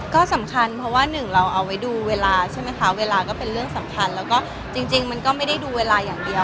ก็สำคัญเพราะว่าหนึ่งเราเอาไว้ดูเวลาใช่ไหมคะเวลาก็เป็นเรื่องสำคัญแล้วก็จริงมันก็ไม่ได้ดูเวลาอย่างเดียว